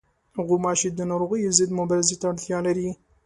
غوماشې د ناروغیو ضد مبارزې ته اړتیا لري.